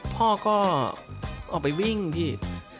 พ่อก็ออกไปวิ่งพี่